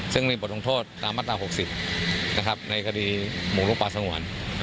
ซึ่งมีบทธงโทษตามม๖๐ในคดีบุตรปราสงวร